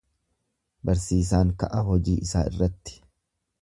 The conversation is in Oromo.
Barsiisaan ka'a hojii isaa irratti.